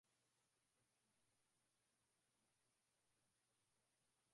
wake ndio huweza kutumika kupunguza maumivu